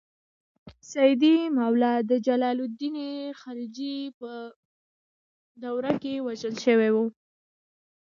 سیدي مولا د جلال الدین خلجي په دور کې وژل شوی و.